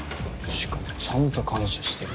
しかもちゃんと感謝してる。